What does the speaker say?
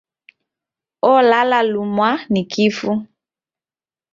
Olala lumwa ni kifu.